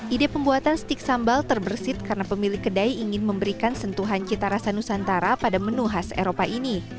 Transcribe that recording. ide pembuatan stik sambal terbersih karena pemilik kedai ingin memberikan sentuhan cita rasa nusantara pada menu khas eropa ini